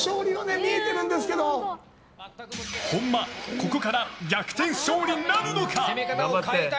本間、ここから逆転勝利なるのか？